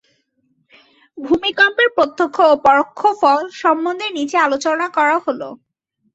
ভূমিকম্পের প্রত্যক্ষ এবং পরোক্ষ ফল সম্বন্ধে নিচে আলোচনা করা হলো।